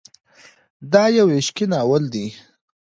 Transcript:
دا يو عشقي ناول دی.